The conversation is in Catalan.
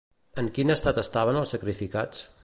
En quin estat estaven els sacrificats?